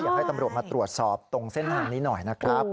อยากให้ตำรวจมาตรวจสอบตรงเส้นทางนี้หน่อยนะครับ